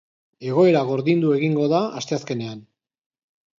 Egoera gordindu egingo da asteazkenean.